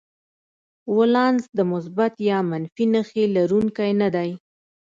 ولانس د مثبت یا منفي نښې لرونکی نه دی.